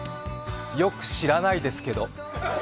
よく知らないですけど。